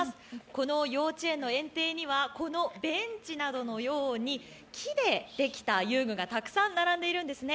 この幼稚園の園庭には、ベンチなどのように木でできた遊具がたくさん並んでいるんですね